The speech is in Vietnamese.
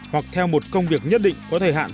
hoặc theo một công việc nhất định có thời hạn